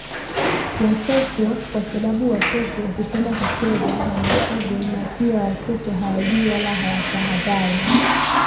Watoto kwa sababu watoto hupenda hucheza na mifugo na pia watoto hawajui wala hawatahadhari